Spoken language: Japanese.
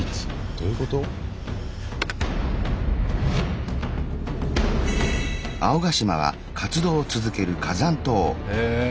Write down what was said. どういうこと？へ！